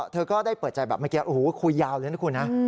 เธอก็ได้เปิดใจแบบเมื่อกี้โอ้โหคุยยาวเลยนะคุณนะ